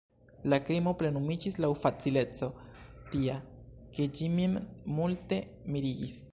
La krimo plenumiĝis laŭ facileco tia, ke ĝi min multe mirigis.